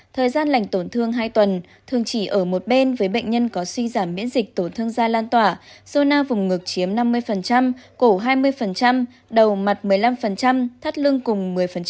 thời gian lành tổn thương hai tuần thường chỉ ở một bên với bệnh nhân có suy giảm miễn dịch tổn thương da lan tỏa sona vùng ngực chiếm năm mươi cổ hai mươi đầu mặt một mươi năm thắt lưng cùng một mươi